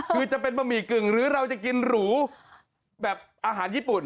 คือจะเป็นบะหมี่กึ่งหรือเราจะกินหรูแบบอาหารญี่ปุ่น